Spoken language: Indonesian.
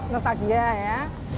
ngetak dia ya